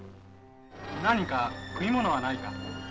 何か食い物はないか。